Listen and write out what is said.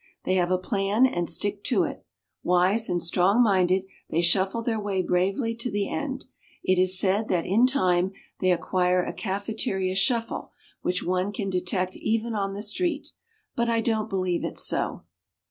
They have a plan and stick to it. Wise and strong minded, they shuffle their way bravely to the end. It is said that in time they acquire a cafeteria shuffle which one can detect even on the street. But I don't believe it's so.